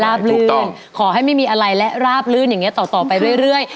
ลื่นขอให้ไม่มีอะไรและราบลื่นอย่างนี้ต่อไปเรื่อย